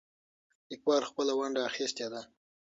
لیکوال خپله ونډه اخیستې ده.